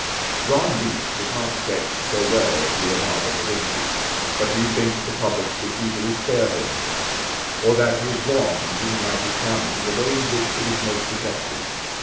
John Leech does not sketch so well as Leonardo da Vinci; but do you think that the public could easily spare him; or that he is wrong in bringing out his talent in the way in which it is most effective?